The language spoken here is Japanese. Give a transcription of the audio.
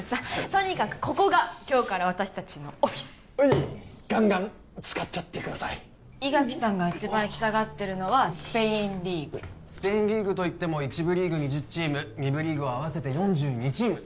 とにかくここが今日から私達のオフィスガンガン使っちゃってください伊垣さんが一番行きたがってるのはスペインリーグスペインリーグといっても１部リーグ２０チーム２部リーグを合わせて４２チーム